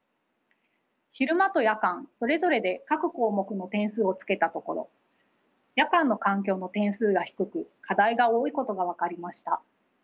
昼間と夜間それぞれで各項目の点数をつけたところ夜間の環境の点数が低く課題が多いことが分かりました。